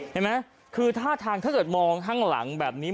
เห็นไหมคือท่าทางถ้าเกิดมองข้างหลังแบบนี้